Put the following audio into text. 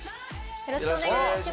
よろしくお願いします。